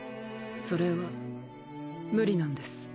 それは無理なんです。